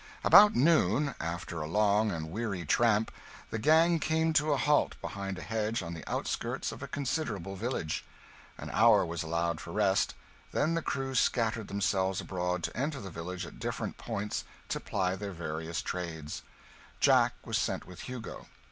About noon, after a long and weary tramp, the gang came to a halt behind a hedge on the outskirts of a considerable village. An hour was allowed for rest, then the crew scattered themselves abroad to enter the village at different points to ply their various trades 'Jack' was sent with Hugo.